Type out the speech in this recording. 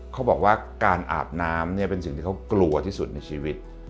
เขาบอกว่าการอาบน้ำเนี่ยเป็นสิ่งที่เขากลัวที่สุดในชีวิต